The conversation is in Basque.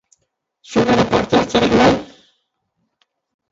Zuk ere parte hartzerik nahi?